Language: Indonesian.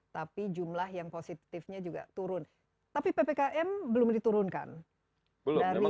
tapi jumlah yang positifnya juga turun